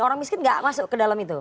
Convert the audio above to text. orang miskin nggak masuk ke dalam itu